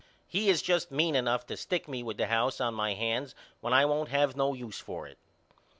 He is just mean enough to stick me with the house on my hands when I won't have no use for it.